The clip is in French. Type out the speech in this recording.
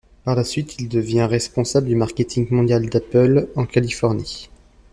Par la suite il devient responsable du marketing mondial d'Apple en Californie.